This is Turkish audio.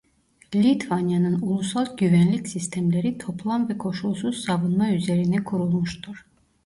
Litvanya'nın ulusal güvenlik sistemleri "toplam ve koşulsuz savunma" üzerine kurulmuştur.